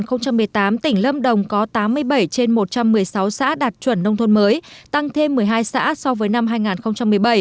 năm hai nghìn một mươi tám tỉnh lâm đồng có tám mươi bảy trên một trăm một mươi sáu xã đạt chuẩn nông thôn mới tăng thêm một mươi hai xã so với năm hai nghìn một mươi bảy